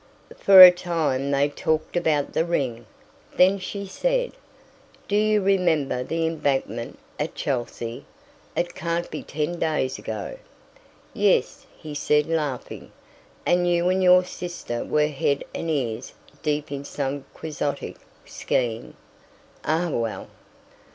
For a time they talked about the ring; then she said: "Do you remember the Embankment at Chelsea? It can't be ten days ago." "Yes," he said, laughing. "And you and your sister were head and ears deep in some Quixotic scheme. Ah well!"